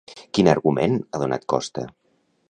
Quin argument ha donat Costa?